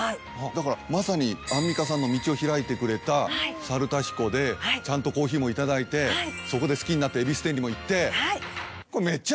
だからまさにアンミカさんの道を開いてくれた猿田彦でちゃんとコーヒーもいただいてそこで好きになって恵比寿店にも行って。